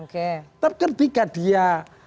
tetapi ketika dia